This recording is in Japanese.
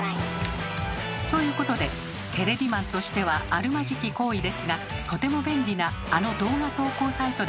ということでテレビマンとしてはあるまじき行為ですがとても便利なあの動画投稿サイトで検索。